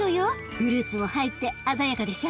フルーツも入って鮮やかでしょ？